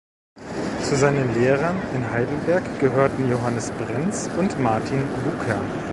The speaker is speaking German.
Zu seinen Lehrern in Heidelberg gehörten Johannes Brenz und Martin Bucer.